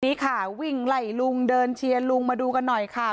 นี่ค่ะวิ่งไล่ลุงเดินเชียร์ลุงมาดูกันหน่อยค่ะ